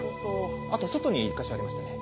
あと外に１カ所ありましたね？